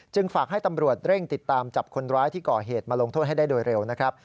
ฝากให้ตำรวจเร่งติดตามจับคนร้ายที่ก่อเหตุมาลงโทษให้ได้โดยเร็วนะครับ